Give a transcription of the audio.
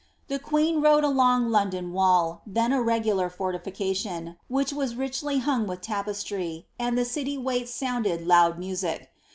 The queen rode along Uuidon wall, then a regular fortification, which was richly hung with tape$tr}% and the city waits sounded loud music.